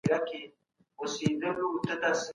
د اطاعت روحیه په مینه او اخلاص سره پیدا کیږي.